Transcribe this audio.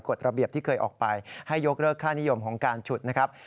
ระเบียบที่เคยออกไปให้ยกเลิกค่านิยมของการฉุดนะครับ